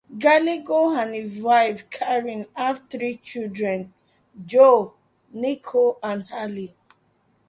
Gallego and his wife Caryn have three children, Joe, Niko and Ali.